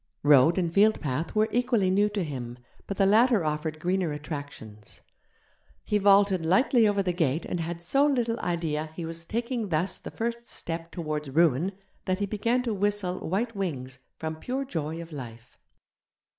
Road and fieldpath were equally new to him, but the latter offered greener attractions; he vaulted lightly over the gate and had so little idea he was taking thus the first step towards ruin that he began to whistle 'White Wings' from pure joy of life.